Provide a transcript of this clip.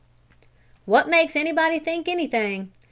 "What makes anybody think anything!